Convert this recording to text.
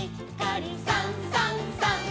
「さんさんさん」